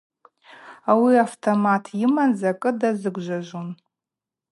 Ауи автомат йыман, закӏы дазыгвжважвун.